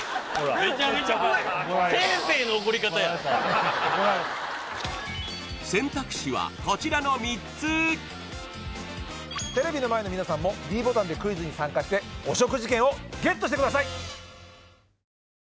メチャメチャ怖い選択肢はこちらの３つテレビの前の皆さんもｄボタンでクイズに参加してお食事券をＧＥＴしてください